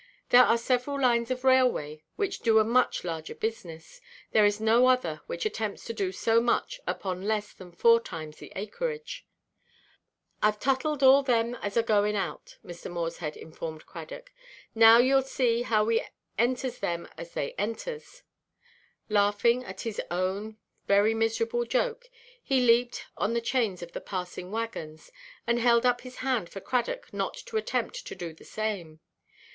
There are several lines of railway which do a much larger business; there is no other which attempts to do so much upon less than four times the acreage. "Iʼve tottled all them as are going out," Mr. Morshead informed Cradock; "now youʼll see how we enters them as they enters." Laughing at his own very miserable joke, he leaped on the chains of the passing waggons, and held up his hand for Cradock not to attempt to do the same.